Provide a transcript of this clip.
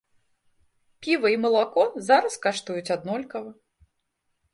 Піва і малако зараз каштуюць аднолькава.